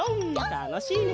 たのしいね！